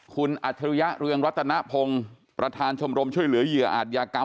คุณอัจฉริยะเรืองรัตนพงศ์ประธานชมรมช่วยเหลือเหยื่ออาจยากรรม